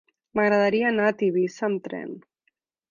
M'agradaria anar a Tivissa amb tren.